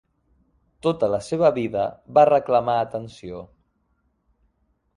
Tota la seva vida va reclamar atenció.